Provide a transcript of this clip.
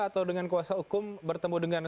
atau dengan kuasa hukum bertemu dengan